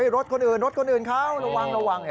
รถคนอื่นรถคนอื่นเขาระวังระวัง